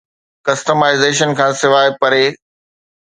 customisation کان سواء پري